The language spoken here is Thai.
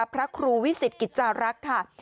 พระครูวิสิตกิจจารักษ์ค่ะ